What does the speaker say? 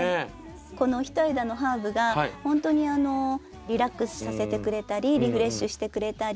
この一枝のハーブがほんとにリラックスさせてくれたりリフレッシュしてくれたり